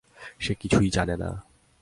সে কিছুই জানে না।